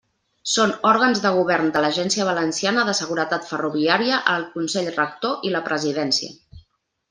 Són òrgans de govern de l'Agència Valenciana de Seguretat Ferroviària el Consell Rector i la Presidència.